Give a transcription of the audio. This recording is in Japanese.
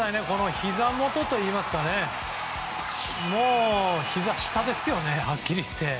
ひざ元といいますかひざ下ですよねはっきり言って。